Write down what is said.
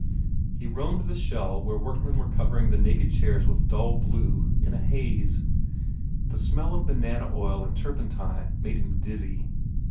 He roamed the shell where workmen were cover ing the naked chairs with dull blue, in a haze. The smell of banana oil and turpentine made him dizzy.